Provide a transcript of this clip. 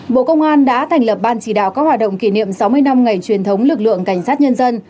bộ công an đã thành lập ban chỉ đạo các hoạt động kỷ niệm sáu mươi năm ngày truyền thống lực lượng cảnh sát nhân dân